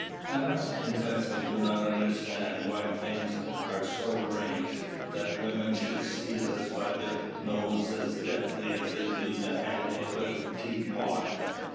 I must confess that I do not understand why things are so arranged, that women should seize us by the nose as deftly as they do the handle of a teapot.